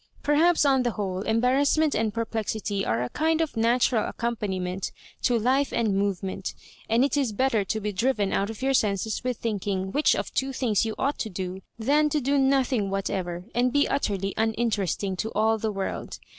Perhaps, on the whole, embarrassment and per plexity are a kind of natural acoompaniment to life and movement ; and it is better to be driven out of your senses with thinking which of two things you ought to do than to do nothing what ever, and be utterly uninteresting to all the world.